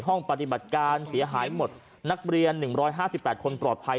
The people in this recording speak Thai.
ห้องปฏิบัติการเสียหายหมดนักเรียน๑๕๘คนปลอดภัย